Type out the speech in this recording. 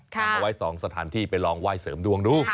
เอาไว้๒สถานที่ไปลองไหว้เสริมดวงดู